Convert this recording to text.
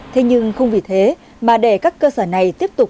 thế nhưng không vì thế mà để các cơ sở này tiếp tục